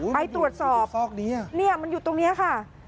ไปตรวจสอบมันอยู่ตรงนี้ค่ะ